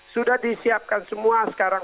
sudah disiapkan semua sekarang